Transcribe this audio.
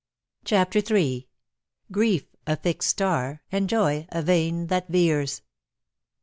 25 CHAPTER III. '^GRIEF A FIXED STAR, AND JOY A VANE THAT VEERS."